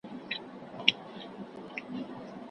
چي فرعون غوندي په خپل قدرت نازیږي